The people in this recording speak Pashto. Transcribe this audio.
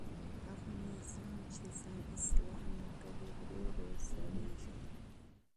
هغه نظام چې ځان اصلاح نه کړي ورو ورو زړېږي